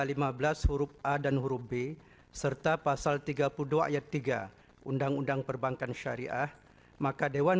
pasal lima belas huruf a dan huruf b serta pasal tiga puluh dua ayat tiga undang undang perbankan syariah maka dewan